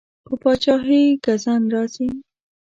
په پادشاهۍ ګزند راځي.